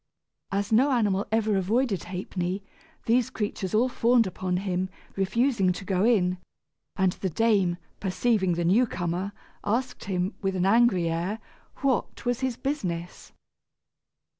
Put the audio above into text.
As no animal ever avoided Ha'penny, these creatures all fawned upon him, refusing to go in; and the dame, perceiving the new comer, asked him, with an angry air, what was his business.